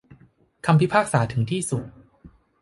คำพิพากษาถึงที่สุด